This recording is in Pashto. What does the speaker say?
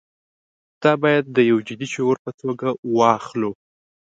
دا باید د یوه جدي شعور په توګه واخلو.